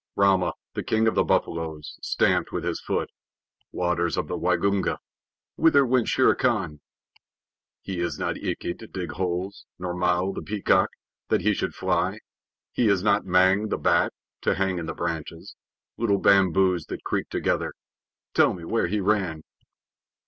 Rama, the King of the Buffaloes, stamped with his foot. Waters of the Waingunga, whither went Shere Khan? He is not Ikki to dig holes, nor Mao, the Peacock, that he should fly. He is not Mang the Bat, to hang in the branches. Little bamboos that creak together, tell me where he ran?